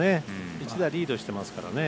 １打リードしてますからね。